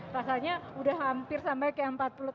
rasanya sudah hampir sampai kayak yang empat puluh tahun